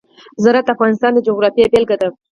زراعت د افغانستان د جغرافیې بېلګه ده.